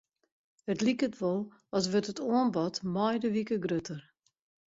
It liket wol as wurdt it oanbod mei de wike grutter.